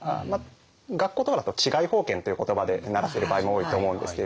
学校とかだと治外法権っていう言葉で習っている場合も多いと思うんですけれども。